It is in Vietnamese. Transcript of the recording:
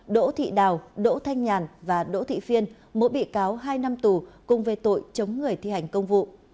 đỗ thị đào đỗ thanh nhàn và đỗ thị phiên mỗi bị cáo hai năm tù cùng về tội chống người thi hành công vụ